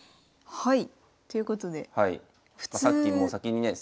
はい。